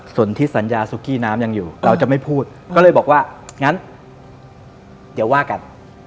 ส่วนที่สัญญาซุกี้น้ำยังอยู่เราจะไม่พูดก็เลยบอกว่างั้นเดี๋ยวว่ากัน